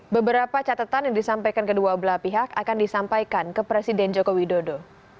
beberapa catatan yang disampaikan kedua belah pihak akan disampaikan ke presiden joko widodo